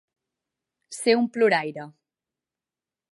Ser un ploraire.